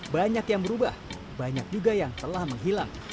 banyak yang berubah banyak juga yang telah menghilang